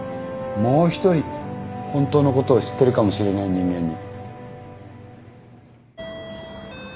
もう一人本当のことを知ってるかもしれない人間に。